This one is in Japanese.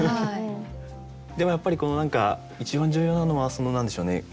でもやっぱり何か一番重要なのは何でしょうね。